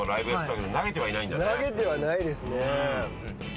投げてはないですね。